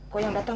kau yang datang